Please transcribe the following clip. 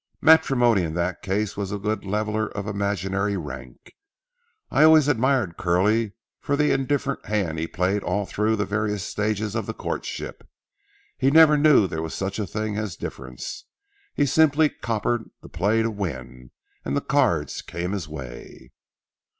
Matrimony in that case was a good leveler of imaginary rank. I always admired Curly for the indifferent hand he played all through the various stages of the courtship. He never knew there was such a thing as difference. He simply coppered the play to win, and the cards came his way."